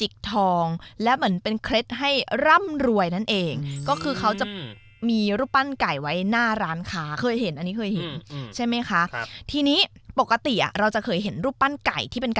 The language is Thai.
กลายเป็นตำนานม้าลายทันที